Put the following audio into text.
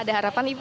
ada harapan ibu